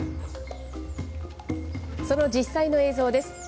その実際の映像です。